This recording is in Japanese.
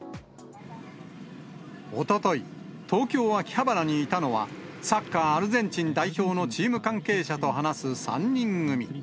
おととい、東京・秋葉原にいたのは、サッカーアルゼンチン代表のチーム関係者と話す３人組。